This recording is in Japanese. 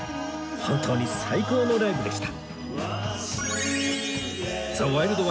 本当に最高のライブでした！